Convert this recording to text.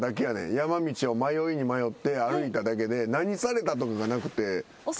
山道を迷いに迷って歩いただけで何されたとかがなくて。